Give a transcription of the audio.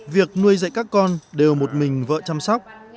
việc nuôi dạy các con đều một mình vợ chăm sóc